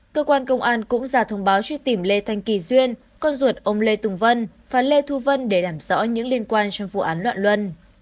cơ quan công an cũng ra thông báo truy tìm lê thanh kỳ duyên con ruột ông lê tùng vân và lê thu vân để làm rõ những liên quan trong vụ án loạn luân